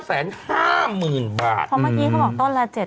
๑๙๕๐๐๐๐บาทเพราะเมื่อกี้เขาบอกต้นละ๗๕๐๐๐บาท